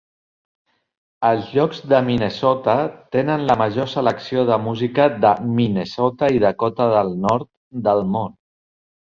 Els llocs de Minnesota tenen la major selecció de música de Minnesota i Dakota del Nord del món.